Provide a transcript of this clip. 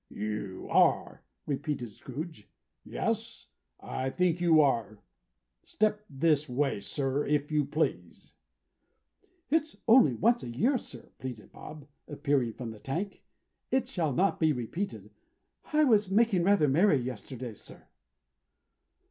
"You are!" repeated Scrooge. "Yes. I think you are. Step this way, sir, if you please." "It's only once a year, sir," pleaded Bob, appearing from the tank. "It shall not be repeated. I was making rather merry yesterday, sir."